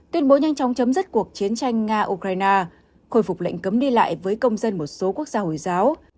tuyên bố nhanh chóng chấm dứt cuộc chiến tranh nga ukraine khôi phục lệnh cấm đi lại với công dân một số quốc gia hồi giáo